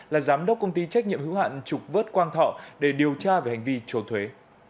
là giám đốc công ty trách nhiệm hữu hạn trục vớt quang thọ để điều tra về hành vi trốn thuế